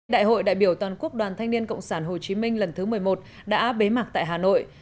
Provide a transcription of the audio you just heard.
đại hội đại biểu toàn quốc đoàn thanh niên cộng sản hồ chí minh lần thứ một mươi một đã bế mạc tại hà nội